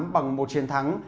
bằng một chiến thắng